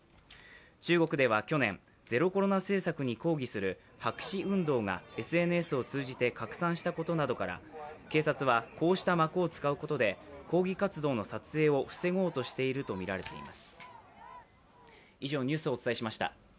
中国では去年、ゼロコロナ政策に抗議する白紙運動がＳＮＳを通じて拡散したことなどから警察はこうした幕を使うことで抗議活動の撮影を防ごうとしているとみられています。